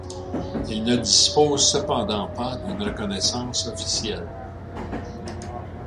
Il ne dispose cependant pas d'une reconnaissance officielle.